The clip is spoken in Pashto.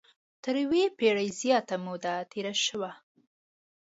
تر یوې پېړۍ زیاته موده تېره شوه.